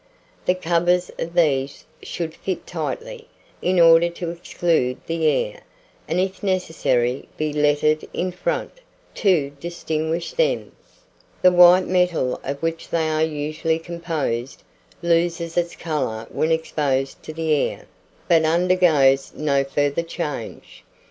The covers of these should fit tightly, in order to exclude the air, and if necessary, be lettered in front, to distinguish them. The white metal of which they are usually composed, loses its colour when exposed to the air, but undergoes no further change.